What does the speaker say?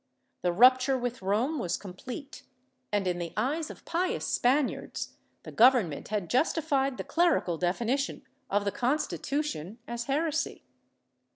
The rupture with Rome was complete and, in the eyes of pious Spaniards, the government had justified the clerical definition of the Constitution as heresy.